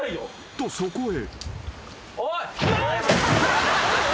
［とそこへ］